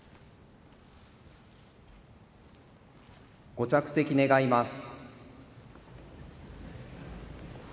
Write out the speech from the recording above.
ご着席願います。